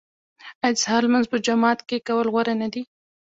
آیا د سهار لمونځ په جومات کې کول غوره نه دي؟